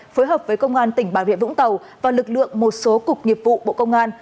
phối hợp với công an tỉnh bà rịa vũng tàu và lực lượng một số cục nghiệp vụ bộ công an